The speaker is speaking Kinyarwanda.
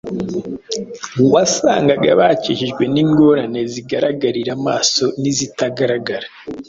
wasangaga bakikijwe n’ingorane zigaragarira amaso n’izitagaragara.